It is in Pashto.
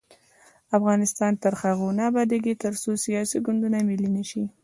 افغانستان تر هغو نه ابادیږي، ترڅو سیاسي ګوندونه ملي نشي.